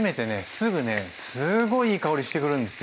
すぐねすごいいい香りしてくるんですよ。